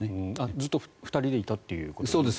ずっと２人でいたということですね。